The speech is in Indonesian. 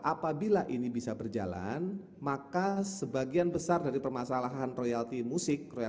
apabila ini bisa berjalan maka sebagian besar dari permasalahan royalti musik